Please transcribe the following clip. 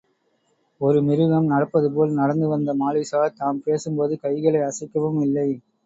ஒரு மிருகம் நடப்பதுபோல் நடந்து வந்த மாலிக்ஷா தாம் பேசும்போது கைகளை அசைக்கவும் இல்லை.